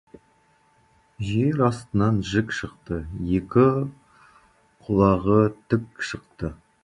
Жер астынан жік шықты, екі құлағы тік шықты.